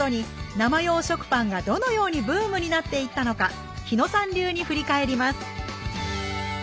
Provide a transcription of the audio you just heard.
生用食パンがどのようにブームになっていったのかひのさん流に振り返ります